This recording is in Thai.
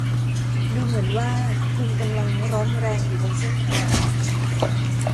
ดูเหมือนว่าคุณกำลังร้อนแรงอยู่บนเส้นทาง